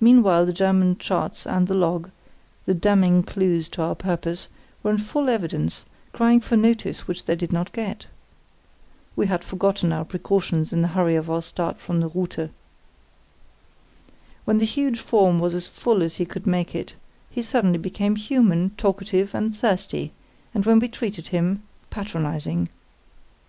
Meanwhile the German charts and the log, the damning clues to our purpose, were in full evidence, crying for notice which they did not get. (We had forgotten our precautions in the hurry of our start from the Rute.) When the huge form was as full as he could make it, he suddenly became human, talkative, and thirsty; and, when we treated him, patronising.